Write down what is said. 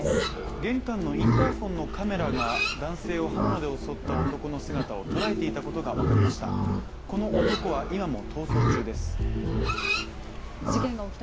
玄関のインターフォンのカメラが男性を刃物で襲った男の姿を捉えていたことが分かりました。